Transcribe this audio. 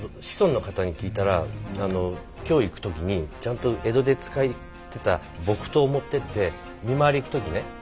子孫の方に聞いたら京へ行く時にちゃんと江戸で使ってた木刀を持ってって見廻行く時ね